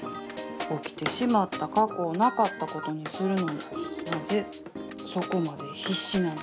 起きてしまった過去をなかったことにするのになぜそこまで必死なんでしょう。